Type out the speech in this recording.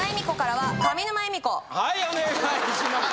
はいお願いします